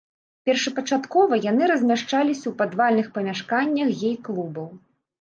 Першапачаткова яны размяшчаліся ў падвальных памяшканнях гей-клубаў.